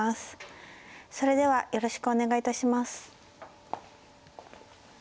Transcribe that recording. それではよろしくお願いいたします。